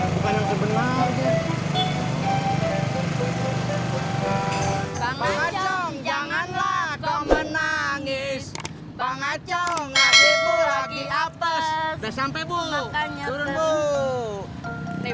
bukan yang sebenarnya